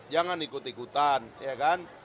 jangan ikut ikutan ya kan